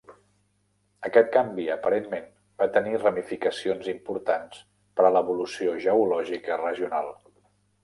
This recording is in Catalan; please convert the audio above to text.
Aquest canvi aparentment va tenir ramificacions importants per a l"evolució geològica regional.